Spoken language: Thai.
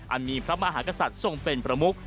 อันนี้พระมหากศัษย์ทรงเป็นประมุก